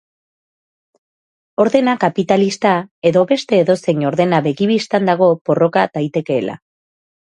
Ordena kapitalista edo beste edozein ordena begi-bistan dago porroka daitekeela.